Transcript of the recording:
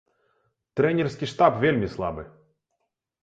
Трэнерскі штаб вельмі слабы.